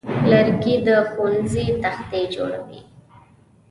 لرګی د ښوونځي تختې جوړوي.